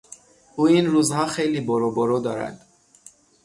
او این روزها خیلی برو برو دارد.